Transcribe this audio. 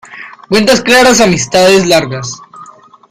Cuentas claras, amistades largas.